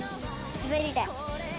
滑り台？